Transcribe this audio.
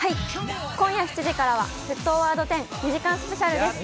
今夜７時からは『沸騰ワード１０』２時間スペシャルです。